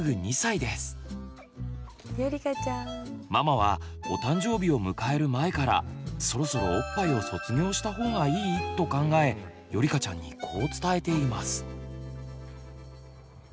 かちゃんはママはお誕生日を迎える前からそろそろおっぱいを卒業したほうがいい？と考えよりかちゃんにこう伝えています。